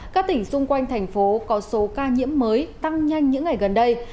các tỉnh xung quanh thành phố có số ca nhiễm mới tăng nhanh những ngày gần đây